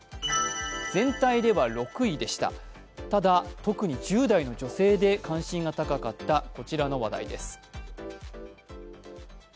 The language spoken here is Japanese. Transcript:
全体では６位でした、ただ特に１０代の女性で関心が高かったこちらの話題です。